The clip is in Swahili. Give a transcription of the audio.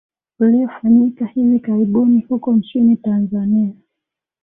uliofanyika hivi karibuni huko nchini tanzania